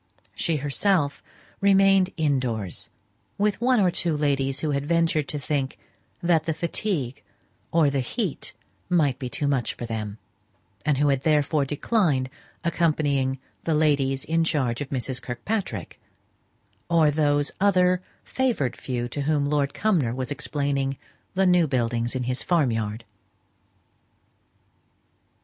She herself remained indoors, with one or two ladies who had ventured to think that the fatigue or the heat might be too much for them, and who had therefore declined accompanying the ladies in charge of Mrs. Kirkpatrick, or those other favoured few to whom Lord Cumnor was explaining the new buildings in his farm yard.